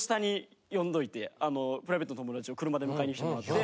プライベートの友達を車で迎えに来てもらって。